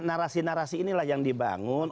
narasi narasi inilah yang dibangun